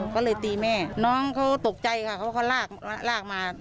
ก็เลยตีแม่น้องเขาตกใจค่ะเขาลากลากมา